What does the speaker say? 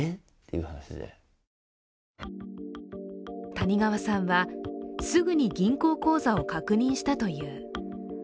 谷川さんはすぐに銀行口座を確認したという。